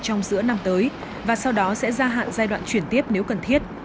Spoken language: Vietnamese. trong giữa năm tới và sau đó sẽ gia hạn giai đoạn chuyển tiếp nếu cần thiết